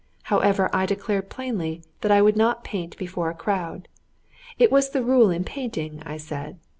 However, I declared plainly that I would not paint before a crowd; it was the rule in painting, I said.